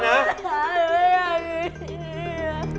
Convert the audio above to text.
หนูอยากอยู่ที่นี่นะ